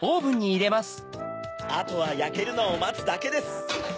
あとはやけるのをまつだけです！